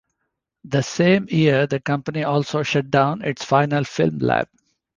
The same year the company also shut down its final film lab.